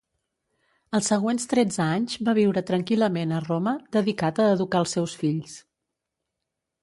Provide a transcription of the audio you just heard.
Els següents tretze anys va viure tranquil·lament a Roma, dedicat a educar als seus fills.